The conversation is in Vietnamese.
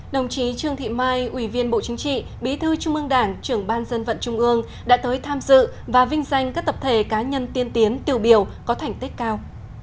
đồng chí trương thị mai ủy viên bộ chính trị bí thư trung ương đảng trưởng ban dân vận trung ương đã tới tham dự và vinh danh các tập thể cá nhân tiên tiến tiêu biểu có thành tích cao